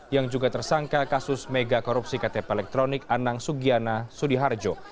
yang juga tersangka kasus mega korupsi ktp elektronik anang sugiana sudiharjo